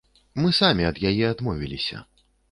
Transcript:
Мы самі ад яе адмовіліся.